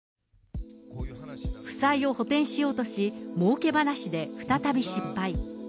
負債を補填しようとし、もうけ話で再び失敗。